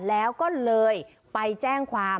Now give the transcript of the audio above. แล้วก็เลยไปแจ้งความ